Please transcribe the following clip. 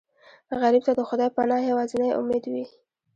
غریب ته د خدای پناه یوازینی امید وي